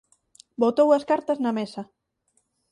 Botou as cartas na mesa.